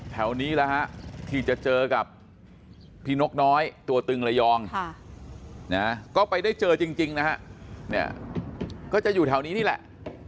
แถวนี้แหละฮะที่จะเจอกับพี่นกน้อยตัวตึงระยองก็ไปได้เจอจริงนะฮะเนี่ยก็จะอยู่แถวนี้นี่แหละ